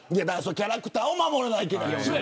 キャラクターを守らないといけない。